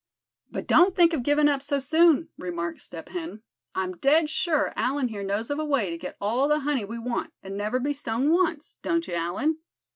"But don't think of giving up so soon," remarked Step Hen. "I'm dead sure Allan here knows of a way to get all the honey we want, and never be stung once, don't you, Allan?"